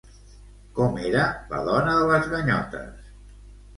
Com era la dona de les ganyotes?